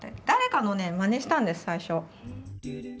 誰かのねまねしたんです最初。